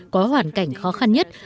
có hoàn cảnh khó khăn nhất